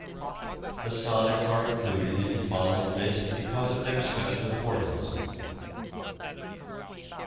The Sonnets are included in the following list because of their special importance.